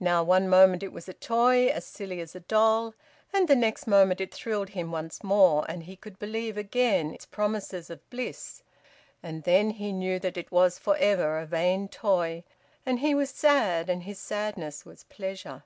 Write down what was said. Now, one moment it was a toy as silly as a doll, and the next moment it thrilled him once more, and he could believe again its promises of bliss and then he knew that it was for ever a vain toy, and he was sad, and his sadness was pleasure.